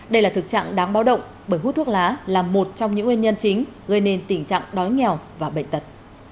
đây là thực trạng đáng báo động bởi hút thuốc lá là một trong những nguyên nhân chính gây nên tình trạng đói nghèo và bệnh tật